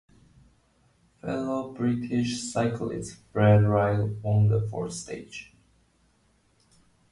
Fellow British cyclist Fred Wright won the fourth stage.